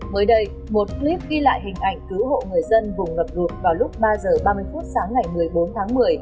mới đây một clip ghi lại hình ảnh cứu hộ người dân vùng ngập lụt vào lúc ba h ba mươi phút sáng ngày một mươi bốn tháng một mươi